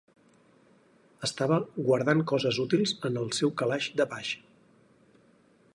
Estava guardant coses útils en el seu calaix de baix.